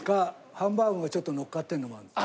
ハンバーグがちょっとのっかってるのもあるんですが。